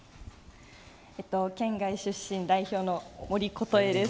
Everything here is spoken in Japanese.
県外出身代表の森琴絵です。